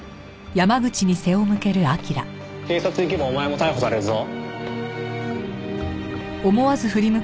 警察行けばお前も逮捕されるぞ。